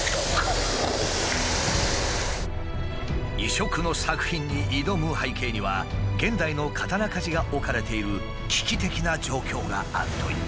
異色の作品に挑む背景には現代の刀鍛治が置かれている危機的な状況があるという。